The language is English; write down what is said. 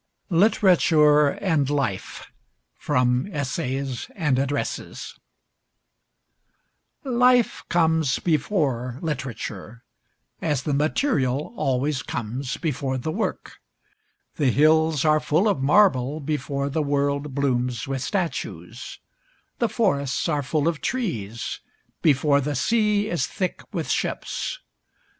LITERATURE AND LIFE From 'Essays and Addresses' Life comes before literature, as the material always comes before the work. The hills are full of marble before the world blooms with statues. The forests are full of trees before the sea is thick with ships.